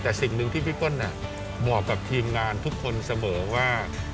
แต่สิ่งหนึ่งที่พี่เปิ้ลบอกกับทีมงานทุกคนเสมอว่า